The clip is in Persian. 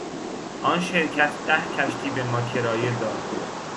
آن شرکت ده کشتی بما کرایه داد.